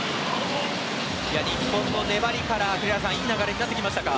日本の粘りから、栗原さんいい流れになってきましたか。